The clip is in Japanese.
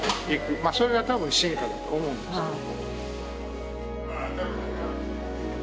まあそれが多分進化だと思うんですけども。